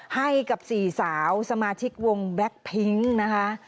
ให้กับ๔สาวสมาชิกวงแบล็คพิ้งนะคะ